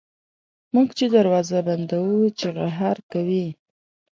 موږ چي دروازه بندوو چیغهار کوي.